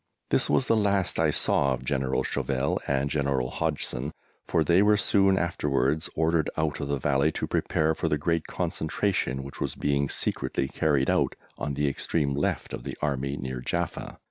This was the last I saw of General Chauvel and General Hodgson, for they were soon afterwards ordered out of the Valley to prepare for the great concentration which was being secretly carried out on the extreme left of the Army near Jaffa.